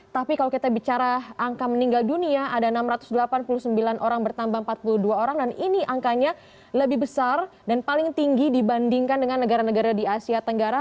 tapi kalau kita bicara angka meninggal dunia ada enam ratus delapan puluh sembilan orang bertambah empat puluh dua orang dan ini angkanya lebih besar dan paling tinggi dibandingkan dengan negara negara di asia tenggara